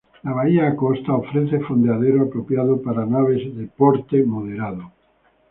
La bahía Acosta ofrece fondeadero apropiado para naves de porte moderado.